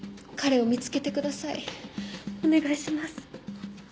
お願いします。